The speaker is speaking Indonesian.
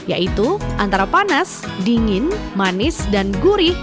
yaitu antara panas dingin manis dan gurih